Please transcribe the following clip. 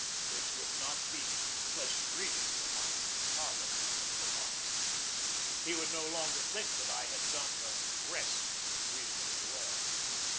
This would not be pleasant reading for my father up in Vermont. He would no longer think that I had done the "rest" reasonably well.